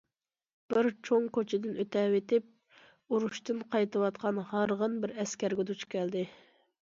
بىر چوڭ كوچىدىن ئۆتەۋېتىپ، ئۇرۇشتىن قايتىۋاتقان ھارغىن بىر ئەسكەرگە دۇچ كەلدى.